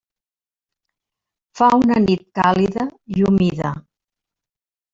Fa una nit càlida i humida.